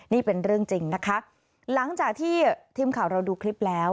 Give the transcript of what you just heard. นี่เป็นเรื่องจริงนะคะหลังจากที่ทีมข่าวเราดูคลิปแล้ว